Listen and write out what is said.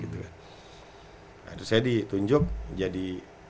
terus saya ditunjuk jadi